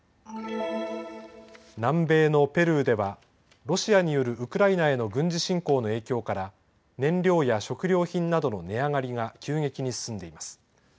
南米のペルーではロシアによるウクライナへの軍事侵攻の影響から燃料や食料品などの値上がりが急激に進んでいます。